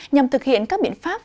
nhằm thực hiện các biện pháp